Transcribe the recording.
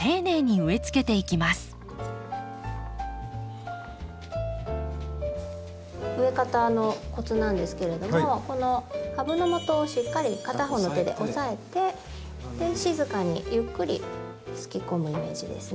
植え方のコツなんですけれどもこの株のもとをしっかり片方の手で押さえて静かにゆっくりすき込むイメージですね。